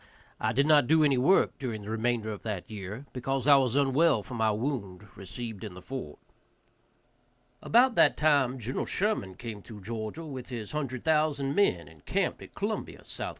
I did not do any work during the remainder of that year, because I was unwell from my wound received in the fort. About that time Gen. Sherman came through Georgia with his hundred thousand men, and camped at Columbia, S.C.